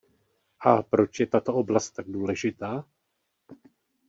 A proč je tato oblast tak důležitá?